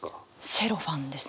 「セロファン」ですね。